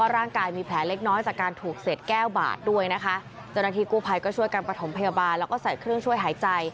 ภูมิพลอดูนเยอเดช